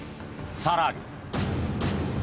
更に。